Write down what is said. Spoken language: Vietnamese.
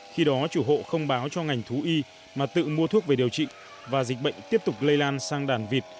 khi đó chủ hộ không báo cho ngành thú y mà tự mua thuốc về điều trị và dịch bệnh tiếp tục lây lan sang đàn vịt